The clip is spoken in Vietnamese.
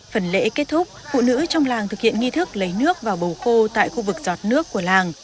phần lễ kết thúc phụ nữ trong làng thực hiện nghi thức lấy nước vào bầu khô tại khu vực giọt nước của làng